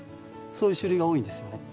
そういう種類が多いんですよね。